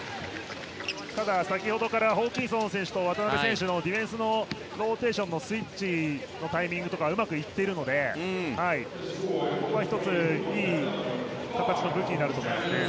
先ほどからホーキンソン選手と渡邊選手のディフェンスのローテーションのスイッチのタイミングとかがうまくいっているのでここは１ついい武器になると思います。